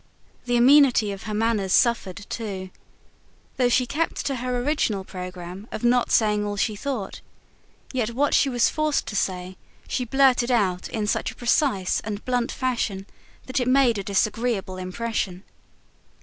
The amenity of her manners suffered, too: though she kept to her original programme of not saying all she thought, yet what she was forced to say she blurted out in such a precise and blunt fashion that it made a disagreeable impression.